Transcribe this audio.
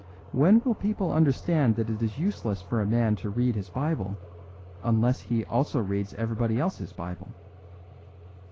When will people understand that it is useless for a man to read his Bible unless he also reads everybody else's Bible?